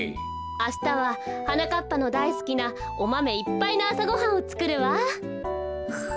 あしたははなかっぱのだいすきなおマメいっぱいのあさごはんをつくるわ。